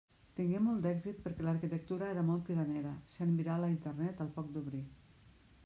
Tingué molt èxit perquè l'arquitectura era molt cridanera, sent viral a Internet al poc d'obrir.